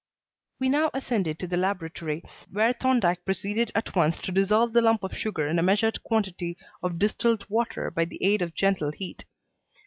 We now ascended to the laboratory, where Thorndyke proceeded at once to dissolve the lump of sugar in a measured quantity of distilled water by the aid of gentle heat.